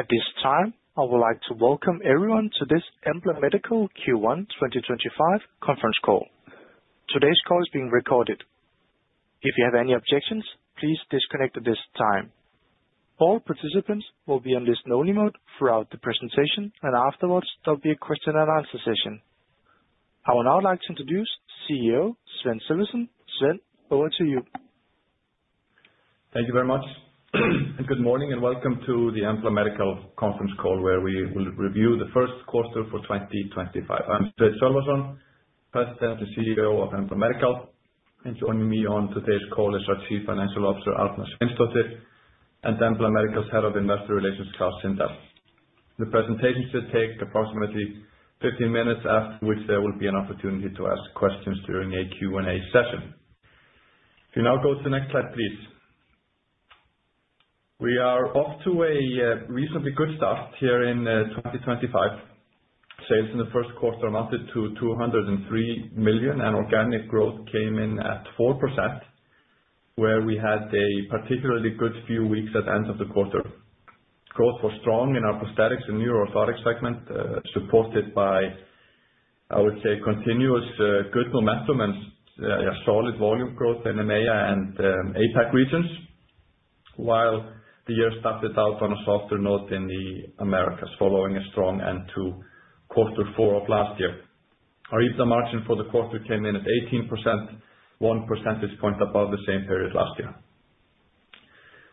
At this time, I would like to welcome everyone to this Embla Medical Q1 2025 conference call. Today's call is being recorded. If you have any objections, please disconnect at this time. All participants will be on this listen-only mode throughout the presentation, and afterwards, there'll be a question-and-answer session. I would now like to introduce CEO Sveinn Sölvason. Sveinn, over to you. Thank you very much, and good morning, and welcome to the Embla Medical conference call where we will review the first quarter for 2025. I'm Sveinn Sölvason, President and CEO of Embla Medical. Joining me on today's call is Chief Financial Officer Arna Sveinsdóttir and Embla Medical's Head of Industrial Relations Klaus Sindahl. The presentation should take approximately 15 minutes, after which there will be an opportunity to ask questions during a Q&A session. If you now go to the next slide, please. We are off to a reasonably good start here in 2025. Sales in the first quarter amounted to $203 million, and organic growth came in at 4%, where we had a particularly good few weeks at the end of the quarter. Growth was strong in our prosthetics and neuro orthotics segment, supported by, I would say, continuous good momentum and solid volume growth in the EMEA and APAC regions, while the year started out on a softer note in the Americas, following a strong end to Q4 of last year. Our EBITDA margin for the quarter came in at 18%, one percentage point above the same period last year.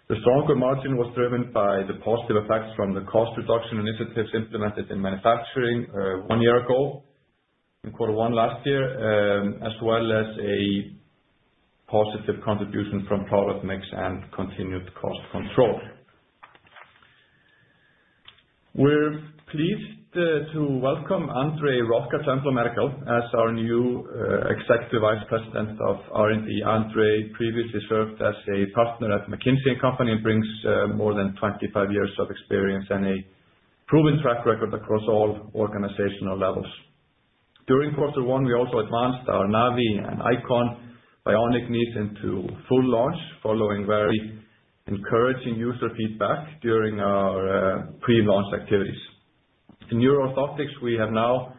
The stronger margin was driven by the positive effects from the cost reduction initiatives implemented in manufacturing one year ago, in Q1 last year, as well as a positive contribution from product mix and continued cost control. We're pleased to welcome André Rocha to Embla Medical as our new Executive Vice President of R&D. André previously served as a partner at McKinsey & Company and brings more than 25 years of experience and a proven track record across all organizational levels. During Q1, we also advanced our Navii and Icon bionic knees into full launch, following very encouraging user feedback during our pre-launch activities. In neuro orthotics, we have now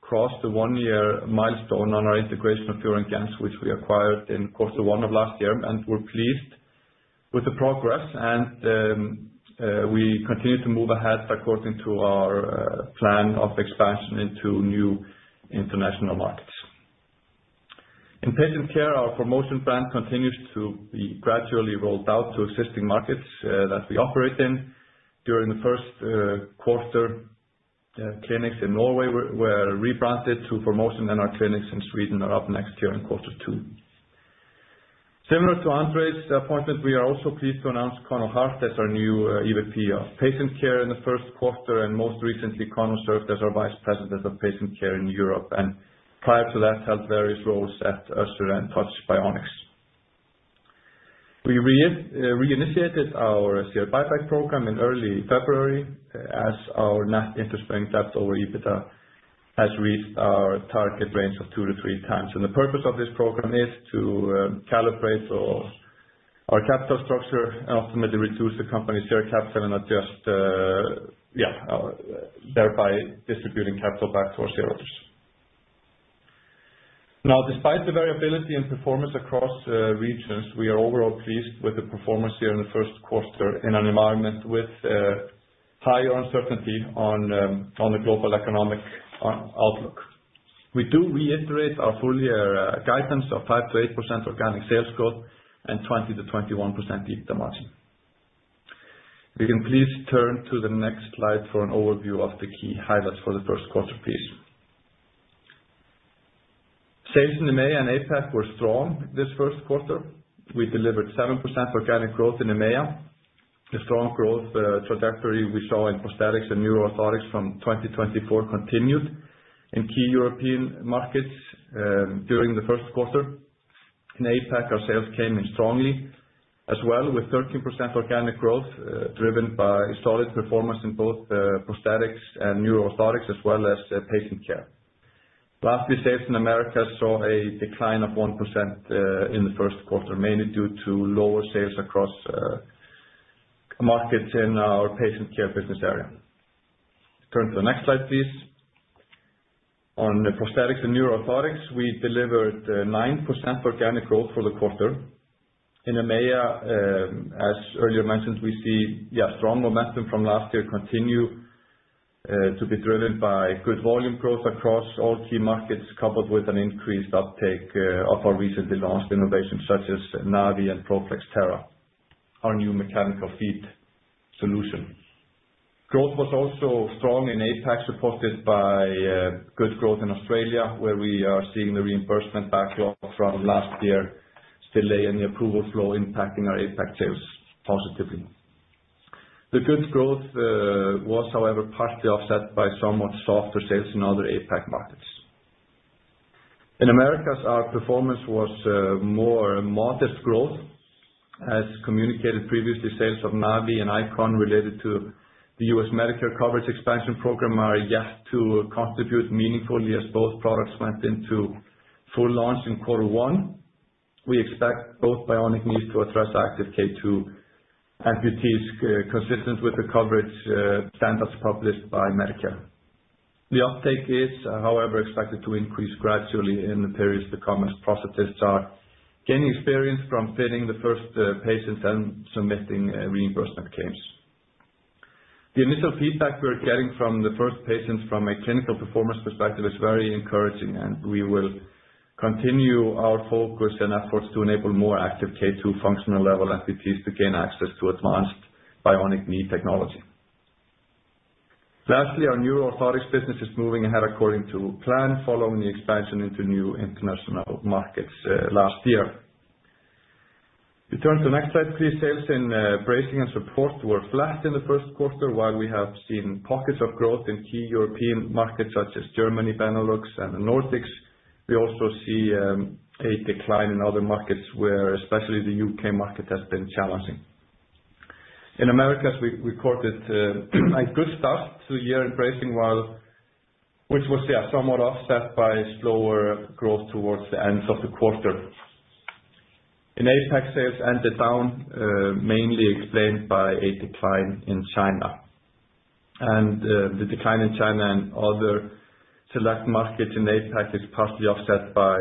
crossed the one-year milestone on our integration of FIOR & GENTZ, which we acquired in Q1 of last year, and we are pleased with the progress. We continue to move ahead according to our plan of expansion into new international markets. In patient care, our ForMotion brand continues to be gradually rolled out to existing markets that we operate in. During the first quarter, clinics in Norway were rebranded to ForMotion, and our clinics in Sweden are up next year in Q2. Similar to André's appointment, we are also pleased to announce Conal Harte as our new EVP of Patient Care in the first quarter, and most recently, Conal served as our Vice President of Patient Care in Europe and, prior to that, held various roles at Össur and Touch Bionics. We reinitiated our share buyback program in early February as our net interest-bearing debt over EBITDA has reached our target range of two to three times. The purpose of this program is to calibrate our capital structure and ultimately reduce the company's share capital and adjust, yeah, thereby distributing capital back towards shareholders. Now, despite the variability in performance across regions, we are overall pleased with the performance here in the first quarter in an environment with high uncertainty on the global economic outlook. We do reiterate our full-year guidance of 5%-8% organic sales growth and 20%-21% EBITDA margin. If you can please turn to the next slide for an overview of the key highlights for the first quarter, please. Sales in the MEA and APAC were strong this first quarter. We delivered 7% organic growth in the MEA. The strong growth trajectory we saw in prosthetics and new orthotics from 2024 continued in key European markets during the first quarter. In APAC, our sales came in strongly, as well with 13% organic growth driven by solid performance in both prosthetics and new orthotics, as well as patient care. Lastly, sales in the Americas saw a decline of 1% in the first quarter, mainly due to lower sales across markets in our patient care business area. Turn to the next slide, please. On prosthetics and new orthotics, we delivered 9% organic growth for the quarter. In the MEA, as earlier mentioned, we see, yeah, strong momentum from last year continue to be driven by good volume growth across all key markets, coupled with an increased uptake of our recently launched innovations, such as Navii and Pro-Flex Terra, our new mechanical feet solution. Growth was also strong in APAC, supported by good growth in Australia, where we are seeing the reimbursement backlog from last year's delay in the approval flow impacting our APAC sales positively. The good growth was, however, partially offset by somewhat softer sales in other APAC markets. In the Americas, our performance was more modest growth. As communicated previously, sales of Navii and Icon related to the US Medicare coverage expansion program are yet to contribute meaningfully as both products went into full launch in Q1. We expect both Bionic knees to address active K2 amputees consistent with the coverage standards published by Medicare. The uptake is, however, expected to increase gradually in the periods to come as prosthetists are gaining experience from fitting the first patients and submitting reimbursement claims. The initial feedback we're getting from the first patients from a clinical performance perspective is very encouraging, and we will continue our focus and efforts to enable more active K2 functional level amputees to gain access to advanced Bionic knee technology. Lastly, our new orthotics business is moving ahead according to plan, following the expansion into new international markets last year. You turn to the next slide, please. Sales in bracing and support were flat in the first quarter, while we have seen pockets of growth in key European markets, such as Germany, Benelux, and the Nordics. We also see a decline in other markets where especially the U.K. market has been challenging. In Americas, we recorded a good start to the year in bracing, which was, yeah, somewhat offset by slower growth towards the end of the quarter. In APAC, sales ended down, mainly explained by a decline in China. The decline in China and other select markets in APAC is partially offset by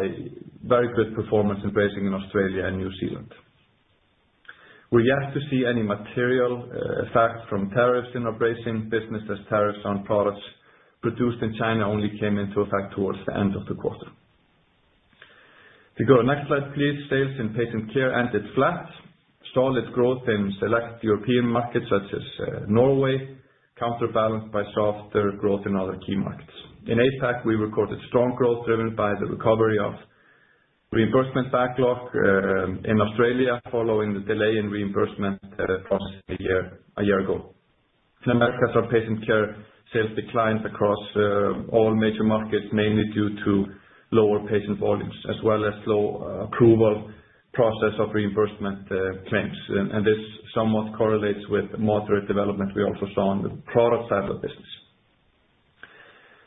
very good performance in bracing in Australia and New Zealand. We're yet to see any material effect from tariffs in our bracing business, as tariffs on products produced in China only came into effect towards the end of the quarter. If you go to the next slide, please. Sales in patient care ended flat. Solid growth in select European markets, such as Norway, counterbalanced by softer growth in other key markets. In APAC, we recorded strong growth driven by the recovery of reimbursement backlog in Australia, following the delay in reimbursement from a year ago. In Americas, our patient care sales declined across all major markets, mainly due to lower patient volumes, as well as slow approval process of reimbursement claims. This somewhat correlates with moderate development we also saw in the product side of the business.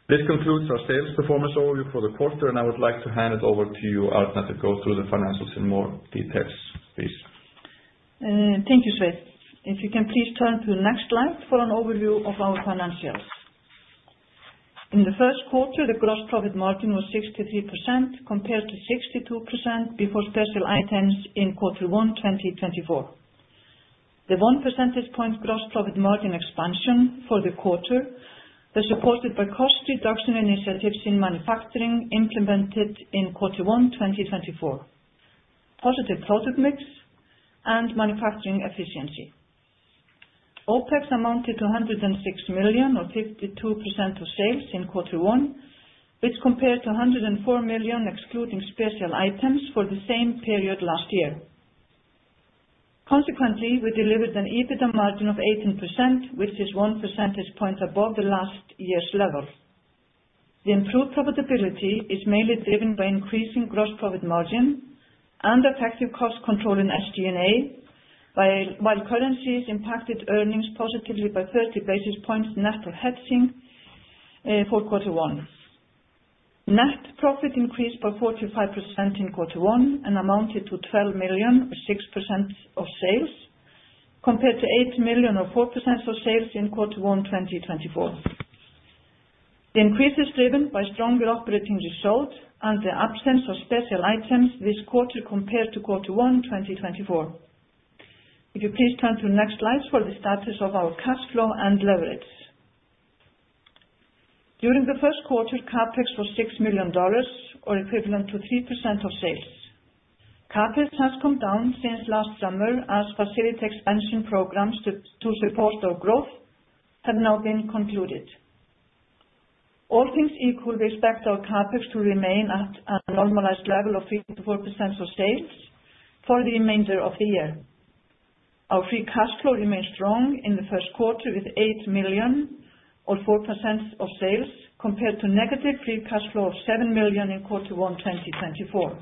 This concludes our sales performance overview for the quarter, and I would like to hand it over to you, Arna, to go through the financials in more detail, please. Thank you, Sveinn. If you can please turn to the next slide for an overview of our financials. In the first quarter, the gross profit margin was 63%, compared to 62% before special items in Q1 2024. The 1% gross profit margin expansion for the quarter was supported by cost reduction initiatives in manufacturing implemented in Q1 2024, positive product mix, and manufacturing efficiency. OPEX amounted to $106 million, or 52% of sales in Q1, which compared to $104 million, excluding special items, for the same period last year. Consequently, we delivered an EBITDA margin of 18%, which is 1 percentage point above the last year's level. The improved profitability is mainly driven by increasing gross profit margin and effective cost control in SG&A, while currencies impacted earnings positively by 30 basis points net of hedging for Q1. Net profit increased by 45% in Q1 and amounted to $12 million, or 6% of sales, compared to $8 million, or 4% of sales in Q1 2024. The increase is driven by stronger operating result and the absence of special items this quarter compared to Q1 2024. If you please turn to the next slides for the status of our cash flow and leverage. During the first quarter, CAPEX was $6 million, or equivalent to 3% of sales. CAPEX has come down since last summer as facility expansion programs to support our growth have now been concluded. All things equal, we expect our CAPEX to remain at a normalized level of 5-4% of sales for the remainder of the year. Our free cash flow remained strong in the first quarter with $8 million, or 4% of sales, compared to negative free cash flow of $7 million in Q1 2024.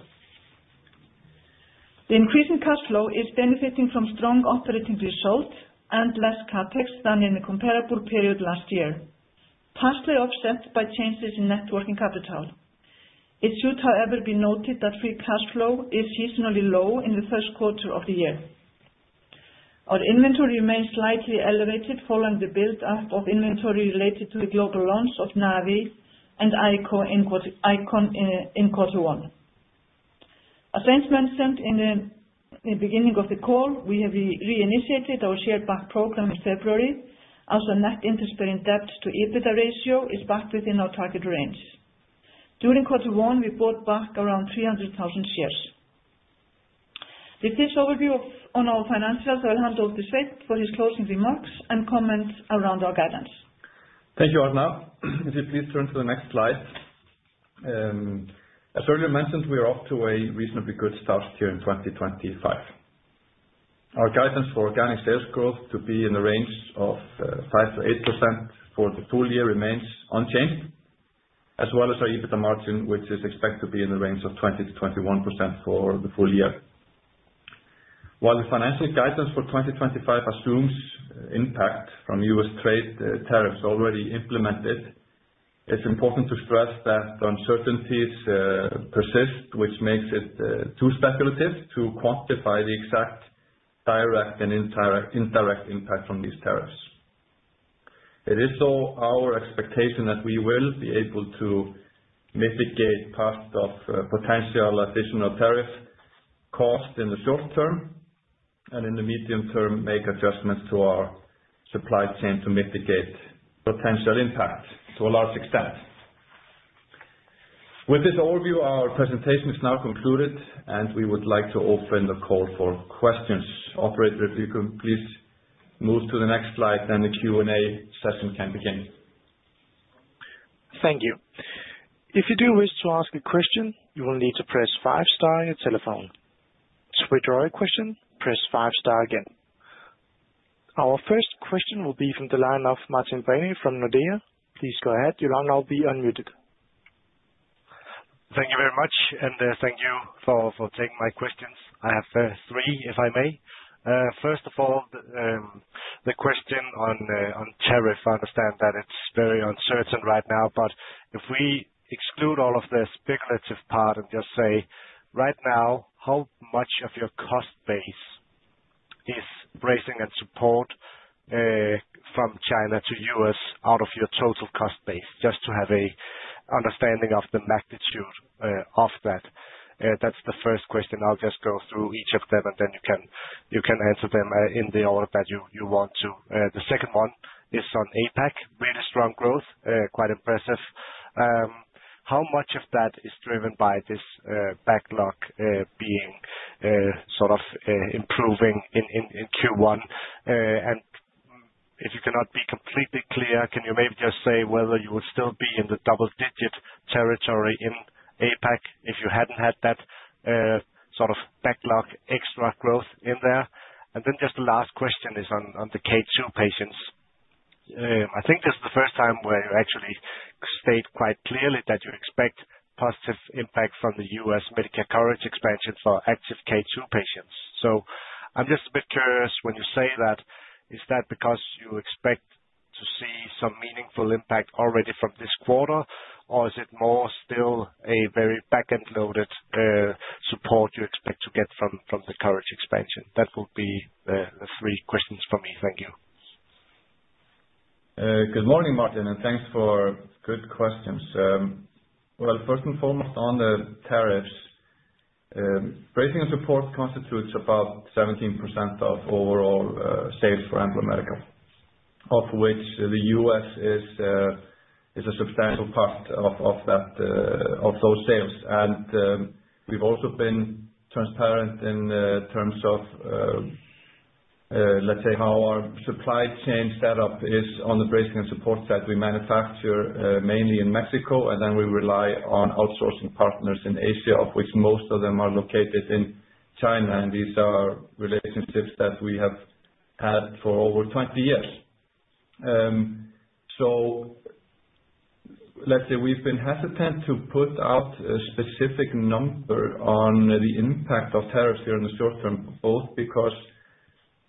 The increase in cash flow is benefiting from strong operating result and less CAPEX than in the comparable period last year, partially offset by changes in net working capital. It should, however, be noted that free cash flow is seasonally low in the first quarter of the year. Our inventory remains slightly elevated following the build-up of inventory related to the global launch of Navii and Icon in Q1. As Sveinn mentioned in the beginning of the call, we have reinitiated our share buyback program in February, as our net interest-bearing debt to EBITDA ratio is back within our target range. During Q1, we bought back around 300,000 shares. With this overview on our financials, I'll hand over to Sveinn for her closing remarks and comments around our guidance. Thank you, Arna. If you please turn to the next slide. As earlier mentioned, we are off to a reasonably good start here in 2025. Our guidance for organic sales growth to be in the range of 5%-8% for the full year remains unchanged, as well as our EBITDA margin, which is expected to be in the range of 20%-21% for the full year. While the financial guidance for 2025 assumes impact from U.S. trade tariffs already implemented, it's important to stress that uncertainties persist, which makes it too speculative to quantify the exact direct and indirect impact from these tariffs. It is, though, our expectation that we will be able to mitigate part of potential additional tariff cost in the short term and, in the medium term, make adjustments to our supply chain to mitigate potential impact to a large extent. With this overview, our presentation is now concluded, and we would like to open the call for questions. Operator, if you can please move to the next slide, the Q&A session can begin. Thank you. If you do wish to ask a question, you will need to press five star on your telephone. To withdraw a question, press five star again. Our first question will be from the line of Martin Brenøe from Nordea. Please go ahead. Your line will be unmuted. Thank you very much, and thank you for taking my questions. I have three, if I may. First of all, the question on tariff, I understand that it's very uncertain right now, but if we exclude all of the speculative part and just say, right now, how much of your cost base is bracing and support from China to US out of your total cost base, just to have an understanding of the magnitude of that? That's the first question. I'll just go through each of them, and then you can answer them in the order that you want to. The second one is on APAC, really strong growth, quite impressive. How much of that is driven by this backlog being sort of improving in Q1? If you cannot be completely clear, can you maybe just say whether you would still be in the double-digit territory in APAC if you had not had that sort of backlog extra growth in there? The last question is on the K2 patients. I think this is the first time where you actually state quite clearly that you expect positive impact from the US Medicare coverage expansion for active K2 patients. I am just a bit curious when you say that, is that because you expect to see some meaningful impact already from this quarter, or is it more still a very back-end loaded support you expect to get from the coverage expansion? That would be the three questions for me. Thank you. Good morning, Martin, and thanks for good questions. First and foremost on the tariffs, bracing and support constitutes about 17% of overall sales for Embla Medical, of which the U.S. is a substantial part of those sales. We have also been transparent in terms of, let's say, how our supply chain setup is on the bracing and support side. We manufacture mainly in Mexico, and then we rely on outsourcing partners in Asia, of which most of them are located in China. These are relationships that we have had for over 20 years. Let's say we've been hesitant to put out a specific number on the impact of tariffs here in the short term, both because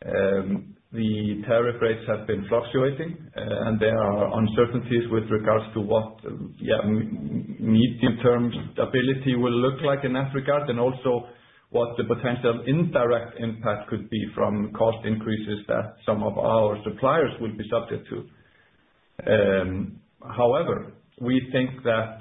the tariff rates have been fluctuating and there are uncertainties with regards to what, yeah, medium-term stability will look like in that regard, and also what the potential indirect impact could be from cost increases that some of our suppliers will be subject to. However, we think that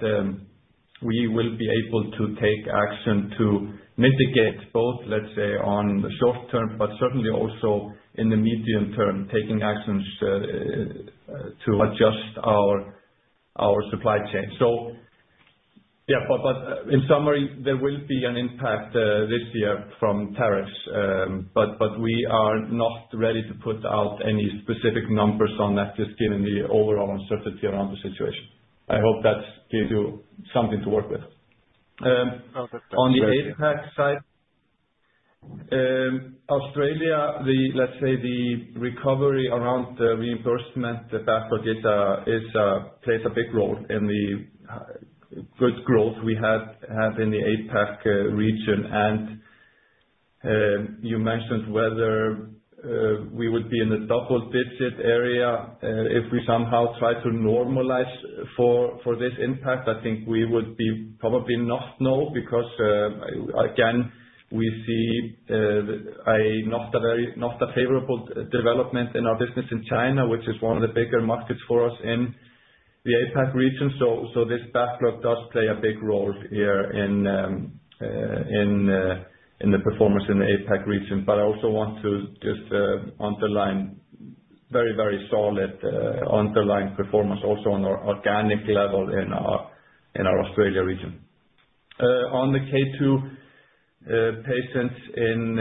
we will be able to take action to mitigate both, let's say, on the short term, but certainly also in the medium term, taking actions to adjust our supply chain. Yeah, but in summary, there will be an impact this year from tariffs, but we are not ready to put out any specific numbers on that, just given the overall uncertainty around the situation. I hope that gives you something to work with. On the APAC side, Australia, let's say the recovery around the reimbursement backlog plays a big role in the good growth we have in the APAC region. You mentioned whether we would be in the double-digit area if we somehow try to normalize for this impact. I think we would be probably not, no, because, again, we see a not a favorable development in our business in China, which is one of the bigger markets for us in the APAC region. This backlog does play a big role here in the performance in the APAC region. I also want to just underline very, very solid underlying performance also on our organic level in our Australia region. On the K2 patients in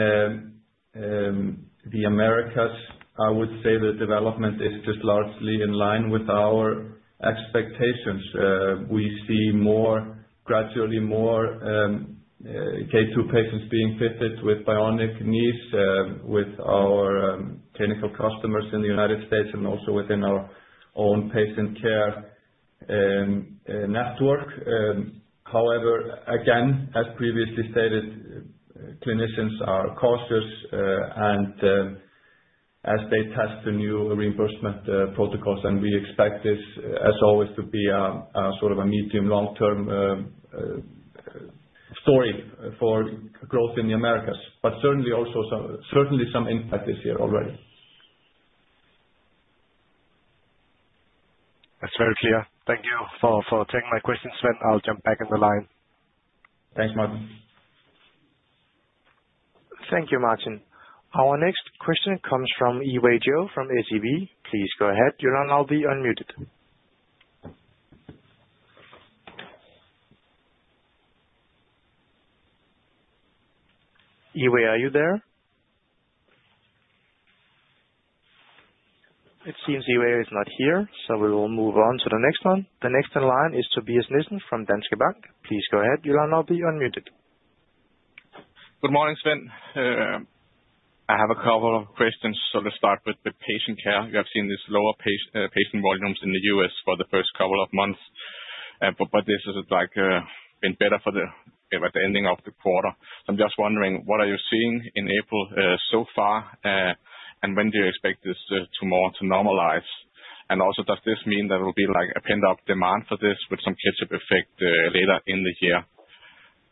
the Americas, I would say the development is just largely in line with our expectations. We see gradually more K2 patients being fitted with bionic knees with our clinical customers in the United States and also within our own patient care network. However, again, as previously stated, clinicians are cautious, and as they test the new reimbursement protocols, and we expect this, as always, to be sort of a medium-long-term story for growth in the Americas, but certainly also certainly some impact this year already. That's very clear. Thank you for taking my questions, Sveinn. I'll jump back in the line. Thanks, Martin. Thank you, Martin. Our next question comes from Yiwei Zhou from SEB. Please go ahead. Your line will be unmuted. Yi-Wei, are you there? It seems Yiwei is not here, so we will move on to the next one. The next in line is Tobias Nissen from Danske Bank. Please go ahead. Your line will be unmuted. Good morning, Sveinn. I have a couple of questions. Let's start with patient care. You have seen these lower patient volumes in the U.S. for the first couple of months, but this has been better at the ending of the quarter. I am just wondering, what are you seeing in April so far, and when do you expect this to normalize? Also, does this mean that it will be like a pent-up demand for this with some catch-up effect later in the year?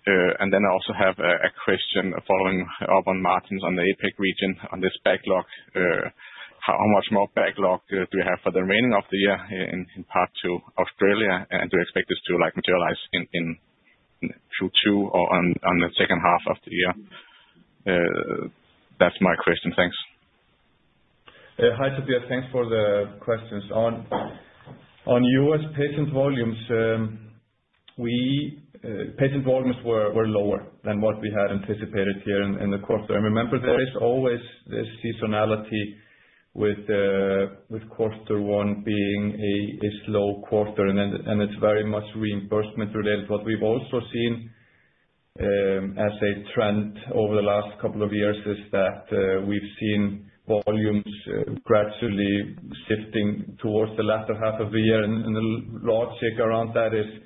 I also have a question following up on Martin's on the APAC region on this backlog. How much more backlog do you have for the remaining of the year in part two, Australia, and do you expect this to materialize in Q2 or in the second half of the year? That is my question. Thanks. Hi, Tobias. Thanks for the questions. On US patient volumes, patient volumes were lower than what we had anticipated here in the quarter. Remember, there is always this seasonality with quarter one being a slow quarter, and it is very much reimbursement related. What we have also seen as a trend over the last couple of years is that we have seen volumes gradually shifting towards the latter half of the year. The logic around that is,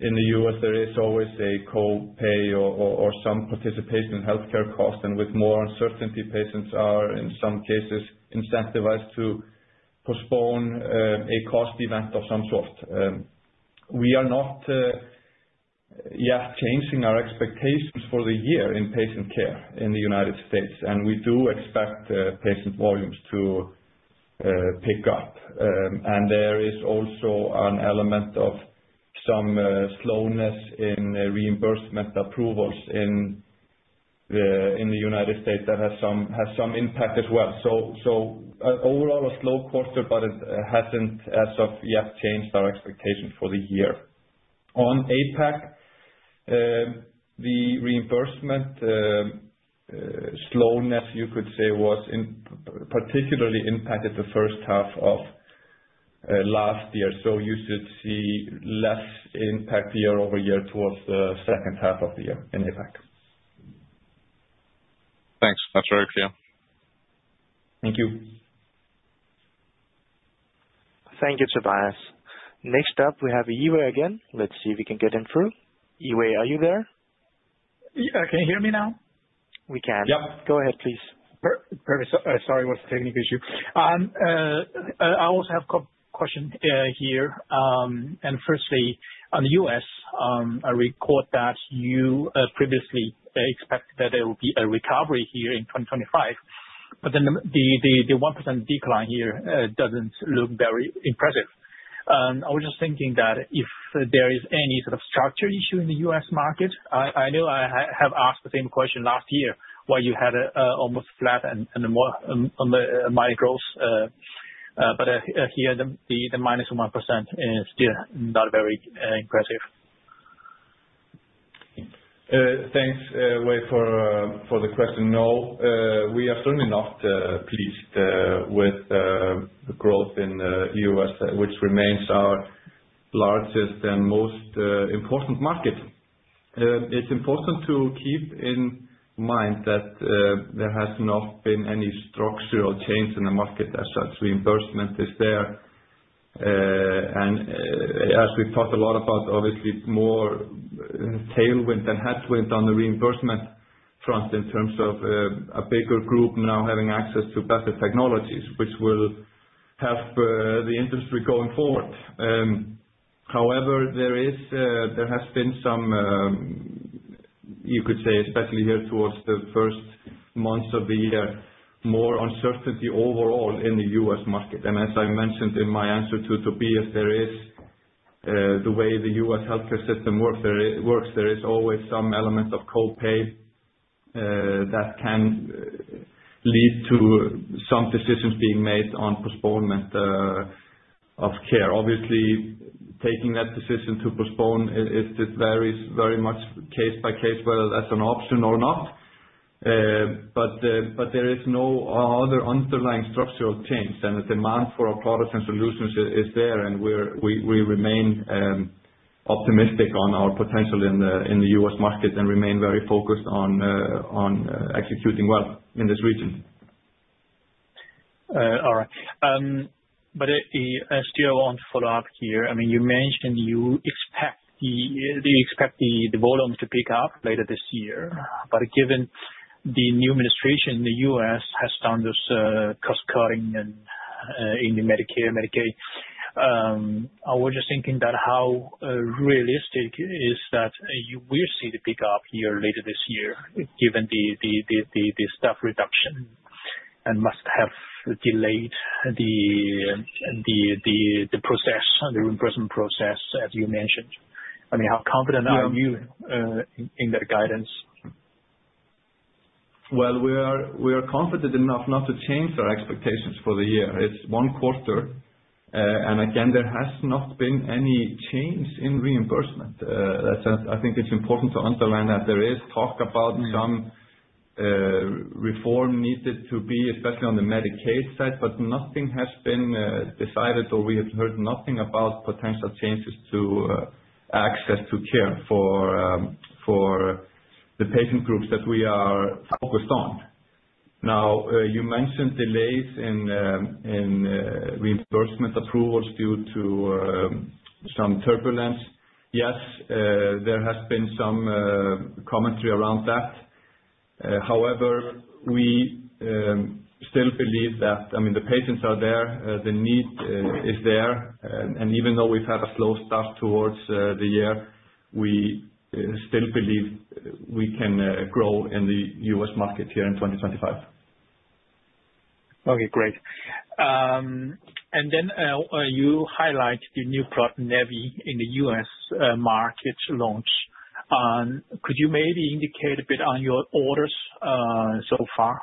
in the US, there is always a copay or some participation in healthcare costs. With more uncertainty, patients are, in some cases, incentivized to postpone a cost event of some sort. We are not yet changing our expectations for the year in patient care in the United States, and we do expect patient volumes to pick up. There is also an element of some slowness in reimbursement approvals in the United States that has some impact as well. Overall, a slow quarter, but it has not as of yet changed our expectation for the year. On APAC, the reimbursement slowness, you could say, particularly impacted the first half of last year. You should see less impact year over year towards the second half of the year in APAC. Thanks. That's very clear. Thank you. Thank you, Tobias. Next up, we have Yi-Wei again. Let's see if we can get him through. Yi-Wei, are you there? Yeah. Can you hear me now? We can. Yep. Go ahead, please. Perfect. Sorry, it was a technical issue. I also have a question here. Firstly, on the US, I recall that you previously expected that there would be a recovery here in 2025, but then the 1% decline here does not look very impressive. I was just thinking that if there is any sort of structure issue in the US market, I know I have asked the same question last year where you had almost flat and more mild growth, but here the minus 1% is still not very impressive. Thanks, Yi-Wei, for the question. No, we are certainly not pleased with the growth in the U.S., which remains our largest and most important market. It's important to keep in mind that there has not been any structural change in the market as such. Reimbursement is there. As we talked a lot about, obviously, more tailwind than headwind on the reimbursement front in terms of a bigger group now having access to better technologies, which will help the industry going forward. However, there has been some, you could say, especially here towards the first months of the year, more uncertainty overall in the U.S. market. As I mentioned in my answer to Tobias, there is the way the U.S. healthcare system works, there is always some element of copay that can lead to some decisions being made on postponement of care. Obviously, taking that decision to postpone, it varies very much case by case, whether that's an option or not. There is no other underlying structural change, and the demand for our products and solutions is there, and we remain optimistic on our potential in the US market and remain very focused on executing well in this region. All right. I still want to follow up here. I mean, you mentioned you expect the volume to pick up later this year, but given the new administration in the U.S. has done this cost-cutting in the Medicare/Medicaid, I was just thinking that how realistic is that we see the pickup here later this year, given the staff reduction and must have delayed the process, the reimbursement process, as you mentioned? I mean, how confident are you in that guidance? We are confident enough not to change our expectations for the year. It's one quarter, and again, there has not been any change in reimbursement. I think it's important to underline that there is talk about some reform needed to be, especially on the Medicaid side, but nothing has been decided, or we have heard nothing about potential changes to access to care for the patient groups that we are focused on. Now, you mentioned delays in reimbursement approvals due to some turbulence. Yes, there has been some commentary around that. However, we still believe that, I mean, the patients are there, the need is there, and even though we've had a slow start towards the year, we still believe we can grow in the US market here in 2025. Okay, great. You highlighted the new product, Navii, in the US market launch. Could you maybe indicate a bit on your orders so far?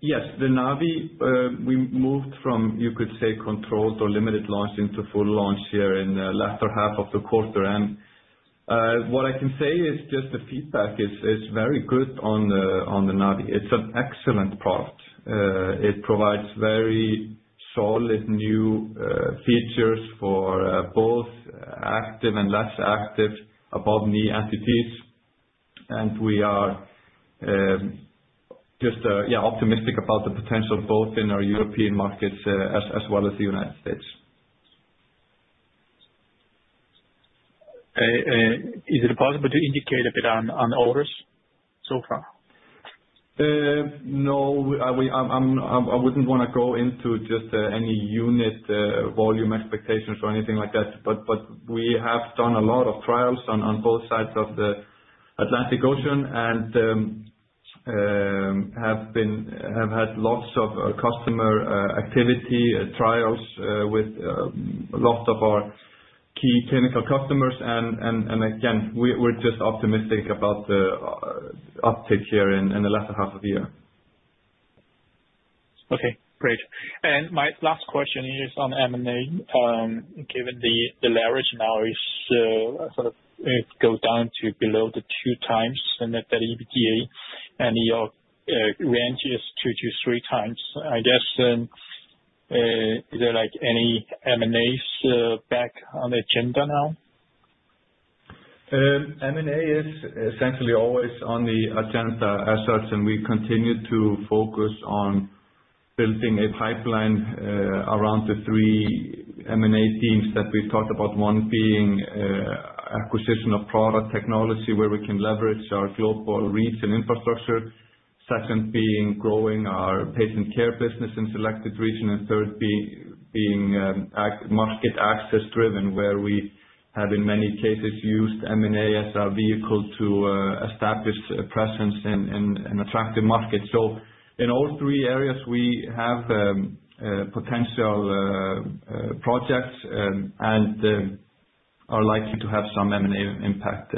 Yes. The Navii, we moved from, you could say, controlled or limited launch into full launch here in the latter half of the quarter. What I can say is just the feedback is very good on the Navii. It is an excellent product. It provides very solid new features for both active and less active above-knee entities. We are just, yeah, optimistic about the potential both in our European markets as well as the United States. Is it possible to indicate a bit on orders so far? No, I wouldn't want to go into just any unit volume expectations or anything like that, but we have done a lot of trials on both sides of the Atlantic Ocean and have had lots of customer activity trials with lots of our key clinical customers. We are just optimistic about the uptick here in the latter half of the year. Okay, great. My last question is on M&A. Given the leverage now is sort of go down to below the two times in that EBITDA, and your range is two to three times, I guess. Is there any M&As back on the agenda now? M&A is essentially always on the agenda as such, and we continue to focus on building a pipeline around the three M&A themes that we've talked about, one being acquisition of product technology where we can leverage our global reach and infrastructure, second being growing our patient care business in selected regions, and third being market access driven, where we have, in many cases, used M&A as our vehicle to establish a presence in an attractive market. In all three areas, we have potential projects and are likely to have some M&A impact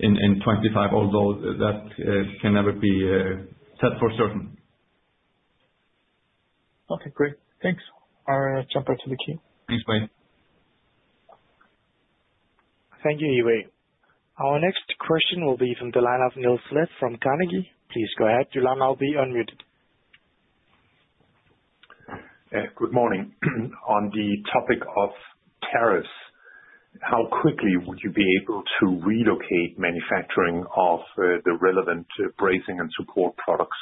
in 2025, although that can never be said for certain. Okay, great. Thanks. I'll jump right to the key. Thanks, Yi-Wei. Thank you, Iwe. Our next question will be from the line of Niels Leth from Carnegie. Please go ahead. The line, I'll be unmuted. Good morning. On the topic of tariffs, how quickly would you be able to relocate manufacturing of the relevant bracing and support products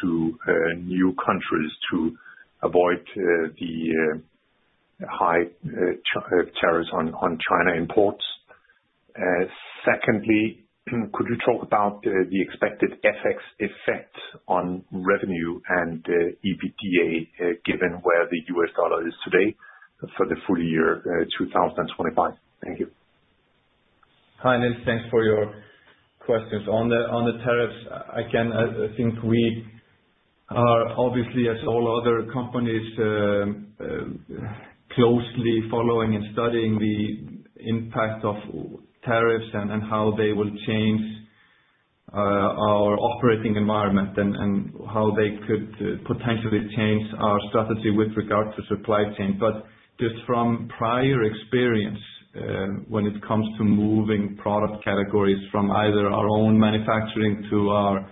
to new countries to avoid the high tariffs on China imports? Secondly, could you talk about the expected effect on revenue and EBITDA, given where the US dollar is today for the full year 2025? Thank you. Hi, Nils. Thanks for your questions. On the tariffs, again, I think we are, obviously, as all other companies, closely following and studying the impact of tariffs and how they will change our operating environment and how they could potentially change our strategy with regard to supply chain. Just from prior experience, when it comes to moving product categories from either our own manufacturing to our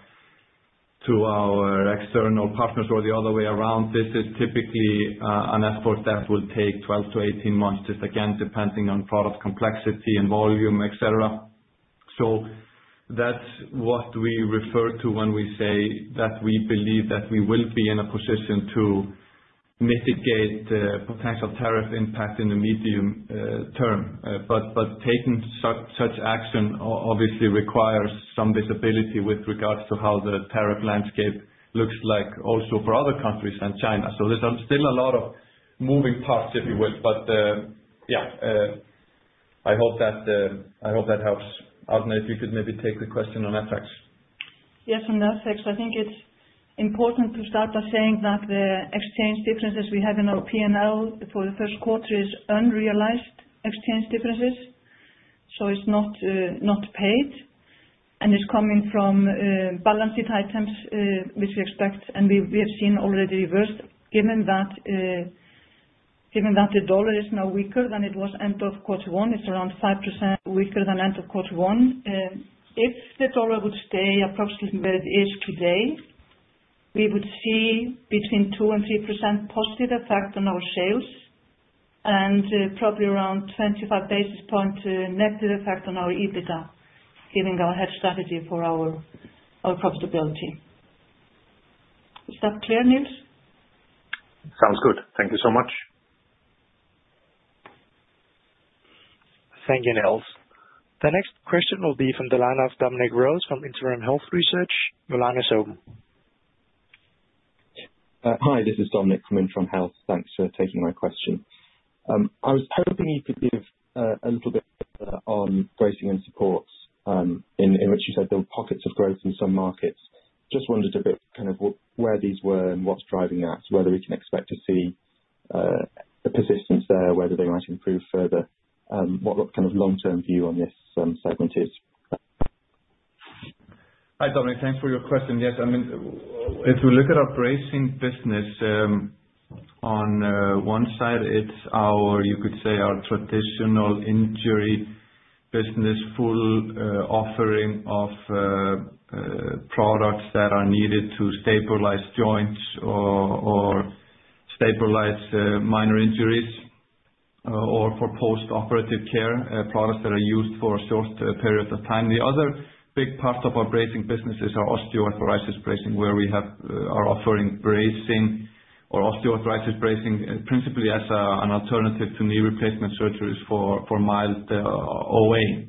external partners or the other way around, this is typically an effort that will take 12-18 months, just again, depending on product complexity and volume, etc. That is what we refer to when we say that we believe that we will be in a position to mitigate potential tariff impact in the medium term. Taking such action, obviously, requires some visibility with regards to how the tariff landscape looks like also for other countries and China. There is still a lot of moving parts, if you will. Yeah, I hope that helps. Arna, if you could maybe take the question on FX. Yes, on FX, I think it's important to start by saying that the exchange differences we have in our P&L for the first quarter are unrealized exchange differences. So it's not paid, and it's coming from balance sheet items, which we expect, and we have seen already reversed. Given that the dollar is now weaker than it was end of quarter one, it's around 5% weaker than end of quarter one. If the dollar would stay approximately where it is today, we would see between 2-3% positive effect on our sales and probably around 25 basis points negative effect on our EBITDA, giving our head strategy for our profitability. Is that clear, Nils? Sounds good. Thank you so much. Thank you, Nils. The next question will be from Dominic Rose from Intron Health Research. Dominic, you're welcome. Hi, this is Dominic from Intron Health. Thanks for taking my question. I was hoping you could give a little bit on bracing and support, in which you said there were pockets of growth in some markets. Just wondered a bit kind of where these were and what's driving that, whether we can expect to see a persistence there, whether they might improve further. What kind of long-term view on this segment is? Hi, Dominic. Thanks for your question. Yes, I mean, if we look at our bracing business, on one side, it's our, you could say, our traditional injury business, full offering of products that are needed to stabilize joints or stabilize minor injuries or for post-operative care, products that are used for a short period of time. The other big part of our bracing business is our osteoarthritis bracing, where we are offering bracing or osteoarthritis bracing, principally as an alternative to knee replacement surgeries for mild OA.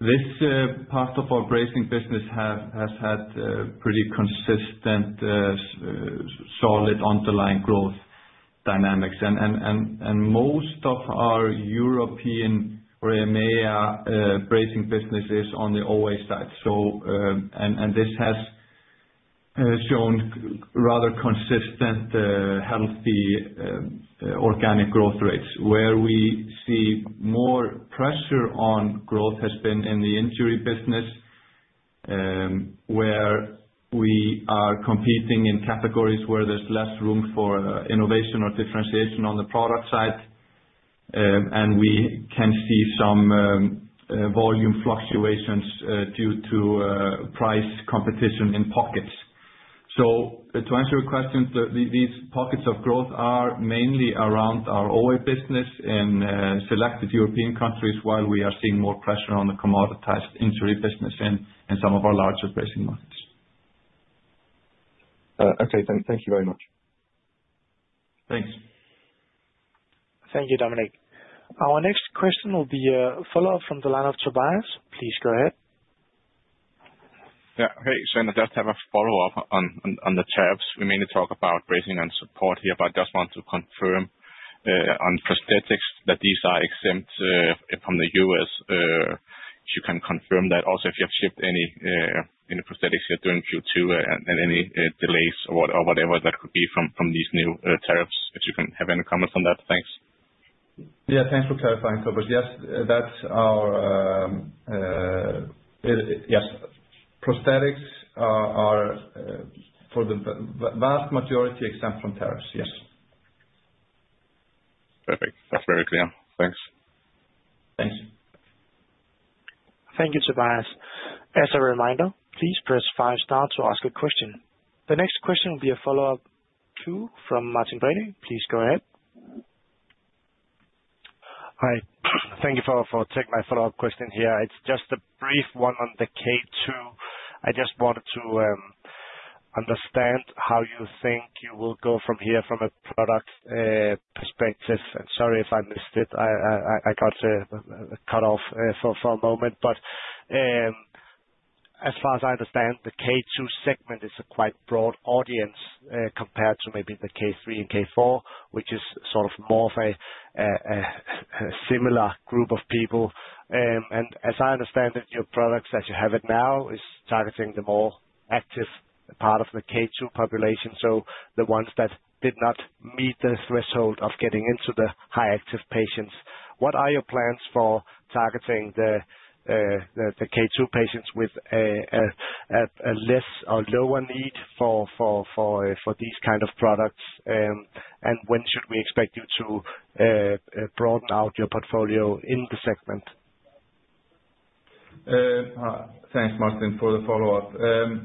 This part of our bracing business has had pretty consistent, solid underlying growth dynamics. Most of our European or EMEA bracing business is on the OA side. This has shown rather consistent, healthy, organic growth rates. Where we see more pressure on growth has been in the injury business, where we are competing in categories where there's less room for innovation or differentiation on the product side. We can see some volume fluctuations due to price competition in pockets. To answer your question, these pockets of growth are mainly around our OA business in selected European countries, while we are seeing more pressure on the commoditized injury business in some of our larger bracing markets. Okay, thank you very much. Thanks. Thank you, Dominic. Our next question will be a follow-up from the line of Tobias. Please go ahead. Yeah, okay. I just have a follow-up on the tariffs. We mainly talk about bracing and support here, but I just want to confirm on prosthetics that these are exempt from the U.S. If you can confirm that, also if you have shipped any prosthetics here during Q2 and any delays or whatever that could be from these new tariffs, if you can have any comments on that. Thanks. Yeah, thanks for clarifying, Tobias. Yes, prosthetics are for the vast majority exempt from tariffs. Yes. Perfect. That's very clear. Thanks. Thanks. Thank you, Tobias. As a reminder, please press five star to ask a question. The next question will be a follow-up too from Martin Brenøe. Please go ahead. Hi. Thank you for taking my follow-up question here. It's just a brief one on the K2. I just wanted to understand how you think you will go from here from a product perspective. Sorry if I missed it. I got cut off for a moment. As far as I understand, the K2 segment is a quite broad audience compared to maybe the K3 and K4, which is sort of more of a similar group of people. As I understand it, your products that you have now are targeting the more active part of the K2 population, so the ones that did not meet the threshold of getting into the high-active patients. What are your plans for targeting the K2 patients with a less or lower need for these kinds of products? When should we expect you to broaden out your portfolio in the segment? Thanks, Martin, for the follow-up.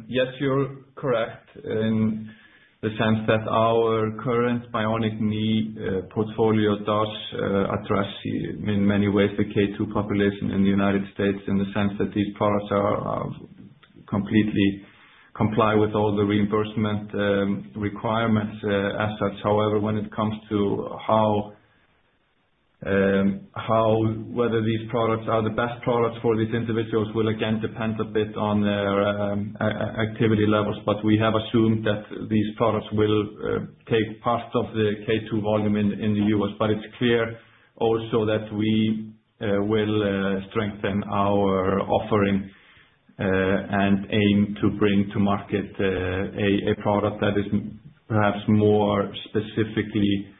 Yes, you're correct in the sense that our current Bionic Knee portfolio does address, in many ways, the K2 population in the United States in the sense that these products completely comply with all the reimbursement requirements as such. However, when it comes to whether these products are the best products for these individuals, it will again depend a bit on their activity levels. We have assumed that these products will take part of the K2 volume in the US. It is clear also that we will strengthen our offering and aim to bring to market a product that is perhaps more specifically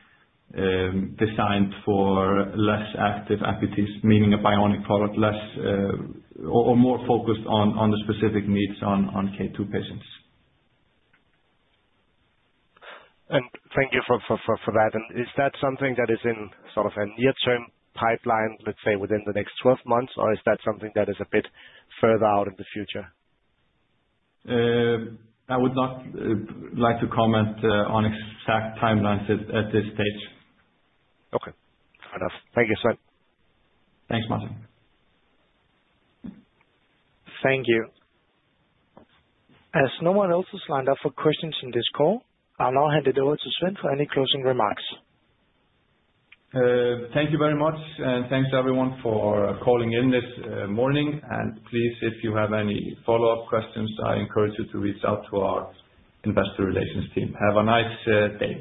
designed for less active entities, meaning a Bionic product or more focused on the specific needs on K2 patients. Thank you for that. Is that something that is in sort of a near-term pipeline, let's say, within the next 12 months, or is that something that is a bit further out in the future? I would not like to comment on exact timelines at this stage. Okay. Fair enough. Thank you, Sveinn. Thanks, Martin. Thank you. As no one else has lined up for questions in this call, I'll now hand it over to Sveinn for any closing remarks. Thank you very much, and thanks everyone for calling in this morning. If you have any follow-up questions, I encourage you to reach out to our investor relations team. Have a nice day.